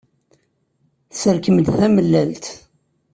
Tesserkem-d tamellalt.